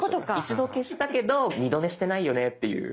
一度消したけど二度寝してないよねっていう。